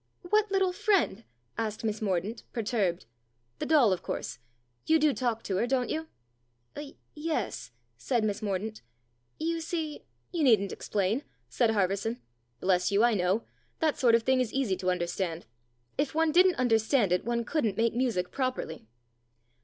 "What little friend?" asked Miss Mordaunt, perturbed. " The doll, of course. You do talk to her, don't you ?" "Y yes," said Miss Mordaunt. "You see" " You needn't explain," said Harverson. " Bless you, I know. That sort of thing is easy to under stand. If one didn't understand it one couldn't make music properly."